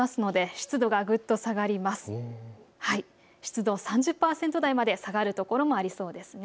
湿度３０％台まで下がる所もありそうです。